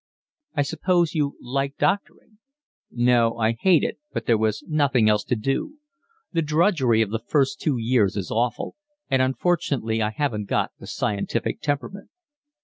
"I suppose you like doctoring?" "No, I hate it, but there was nothing else to do. The drudgery of the first two years is awful, and unfortunately I haven't got the scientific temperament."